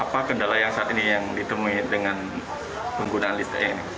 apa kendala yang saat ini yang ditemui dengan penggunaan listrik ini